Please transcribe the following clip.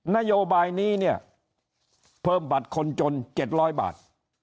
นโยบายนี้เนี่ยเพิ่มบัตรคนจนเจ็ดร้อยบาท